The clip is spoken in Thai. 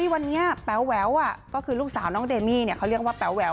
วันนี้แป๊วก็คือลูกสาวน้องเดมี่เขาเรียกว่าแป๋ว